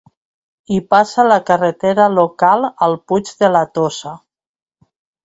Hi passa la carretera local al Puig de la Tossa.